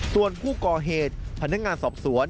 ส่วนผู้ก่อเหตุพนักงานสอบสวน